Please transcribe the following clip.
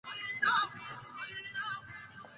د کورنیو په منځ کې مالي خپلواکي زیاتیږي.